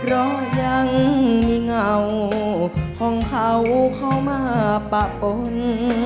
เพราะยังมีเงาของเขาเข้ามาปะปน